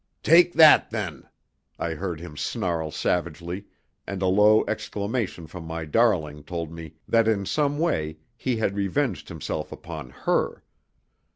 "Take that, then!" I heard him snarl savagely, and a low exclamation from my darling told me that in some way he had revenged himself upon her.